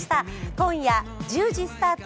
今夜１０時スタート